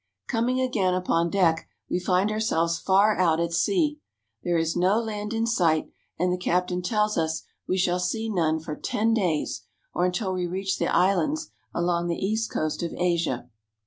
Coming again upon deck, we find ourselves far out at sea. There is no land in sight, and the captain tells us we shall see none for ten days, or until we reach the islands along the east coast of Asia.